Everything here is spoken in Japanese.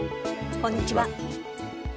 こんにちは。